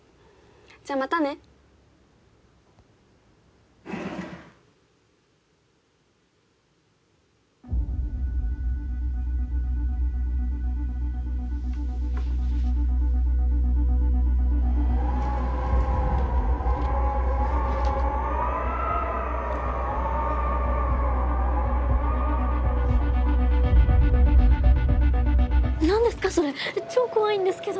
じゃまたね。何ですかそれ超怖いんですけど。